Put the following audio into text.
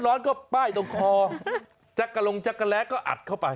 ร้อนก็ป้ายตรงคอจักรลงจักรแร้ก็อัดเข้าไป